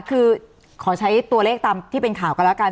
คือขอใช้ตัวเลขตามที่เป็นข่าวกันแล้วกัน